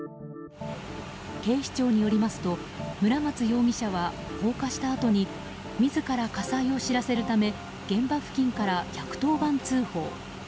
警視庁によりますと村松容疑者は放火したあとに自ら火災を知らせるため現場付近から１１０番通報。